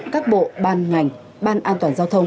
các bộ ban ngành ban an toàn giao thông